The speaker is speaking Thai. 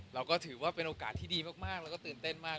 เราก็ถือว่าเป็นโอกาสที่ดีมากแล้วก็ตื่นเต้นมาก